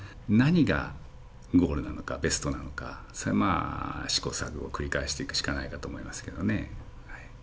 何がゴールなのかベストなのかそれをまあ試行錯誤を繰り返していくしかないかと思いますけどね。